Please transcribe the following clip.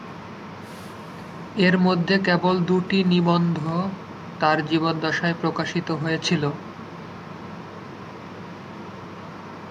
এর মধ্যে কেবল দুটি নিবন্ধ তার জীবদ্দশায় প্রকাশিত হয়েছিলো।